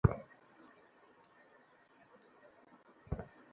প্রথমে সেতে, পরে ঘরে, আর এখন এখানে।